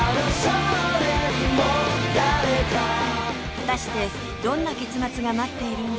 果たしてどんな結末が待っているのでしょうか？